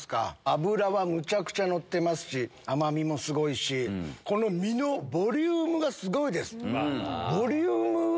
脂はむちゃくちゃのってますし甘みもすごいしこの身のボリュームがすごいです！